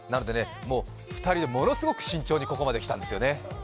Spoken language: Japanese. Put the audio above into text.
もう２人でものすごく慎重にここまで来たんですね。